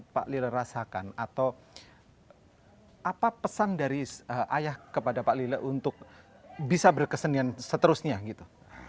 pak lila rasakan atau apa pesan dari ayah kepada pak lila untuk bisa berkesenian seterusnya gitu